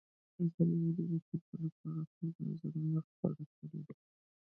ازادي راډیو د کډوال په اړه د خلکو نظرونه خپاره کړي.